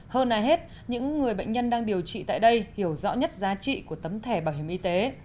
hơn ai hết những người bệnh nhân đang điều trị tại đây hiểu rõ nhất giá trị của tấm thẻ bảo hiểm y tế